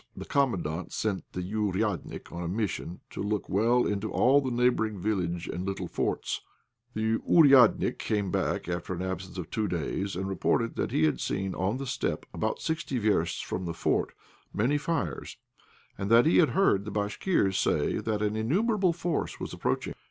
The Commandant sent the "ouriadnik" on a mission to look well into all in the neighbouring village and little forts. The "ouriadnik" came back after an absence of two days, and reported that he had seen in the steppe, about sixty versts from the fort, many fires, and that he had heard the Bashkirs say that an innumerable force was approaching.